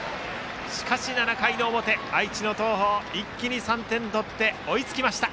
しかし７回の表、愛知の東邦一気に３点取って追いつきました。